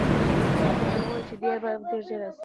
هغه وویل چې دی به ډېر ژر راسي.